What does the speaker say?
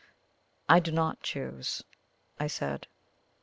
"I do not choose," I said.